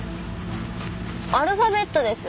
アルファベットです。